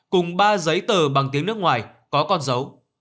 cùng ba giấy tờ bằng tiếng nước ngoài có con dấu